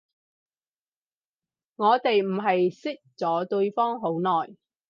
我哋唔係識咗對方好耐